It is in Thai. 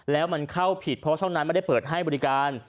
แล้วเข้าผิดเพราะการแปลกไม่ได้เปิดให้บริการ